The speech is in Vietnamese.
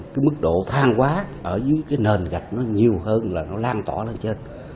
cái mức độ thang quá ở dưới cái nền gạch nó nhiều hơn là nó lan tỏa lên trên